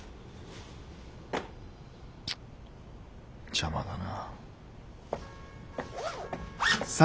邪魔だな。